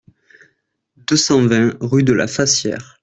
deux cent vingt rue de la Fassière